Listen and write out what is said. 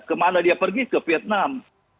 kemana dia pergi ke vietnam